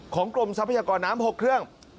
กรมทรัพยากรน้ำ๖เครื่อง